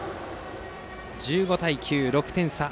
１５対９、６点差。